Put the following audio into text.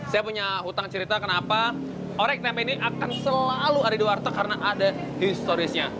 saya punya hutang cerita kenapa orek nama ini akan selalu ada di warteg karena ada historisnya